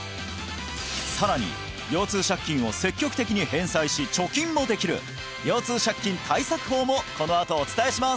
さらに腰痛借金を積極的に返済し貯金もできる腰痛借金対策法もこのあとお伝えします！